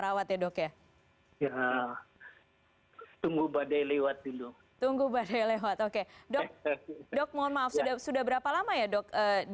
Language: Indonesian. atau bagaimana dok